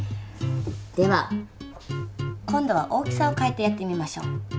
では今度は大きさを変えてやってみましょう。